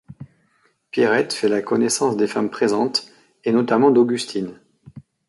Pierrette fait la connaissance des femmes présentes, et notamment d'Augustine.